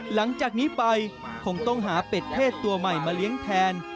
หลังจากนี้ไปคงต้องหาเป็ดเทศตัวใหม่มาเลี้ยงแทน